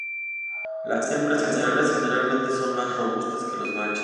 Las hembras generalmente son más robustas que los machos.